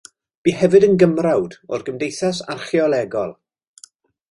Bu hefyd yn Gymrawd o'r Gymdeithas Archeolegol.